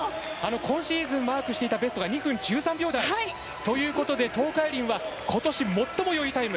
今シーズンマークしていたベストが２分１３秒台。ということで、東海林はことし最もよいタイム。